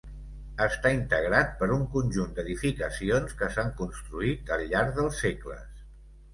Està integrat per un conjunt d'edificacions, que s'han construït al llarg dels segles.